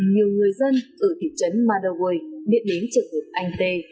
nhiều người dân ở thị trấn madaway biết đến trường hợp anh tê